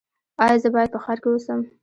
ایا زه باید په ښار کې اوسم؟